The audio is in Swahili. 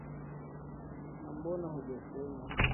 na mbona hujasema